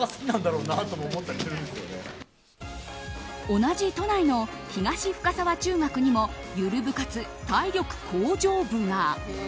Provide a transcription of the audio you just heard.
同じ都内の東深沢中学にもゆる部活、体力向上部が。